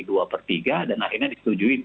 dua per tiga dan akhirnya disetujui